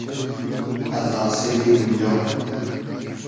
از آسیلی دونیا